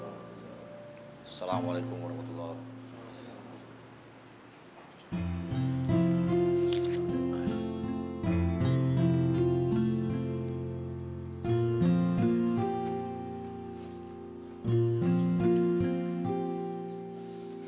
assalamualaikum warahmatullahi wabarakatuh